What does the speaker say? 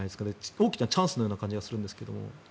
大きなチャンスのような感じがするんですが。